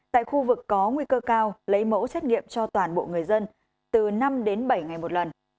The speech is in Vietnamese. tại khu vực có nguy cơ cao lấy mẫu xét nghiệm cho toàn bộ người dân từ năm đến bảy ngày một lần